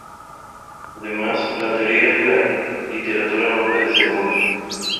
Además, la teoría de la literatura no puede ser una.